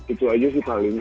itu saja sih paling